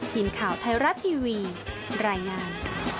ทีมข่าวไทยรัฐทีวีรายงาน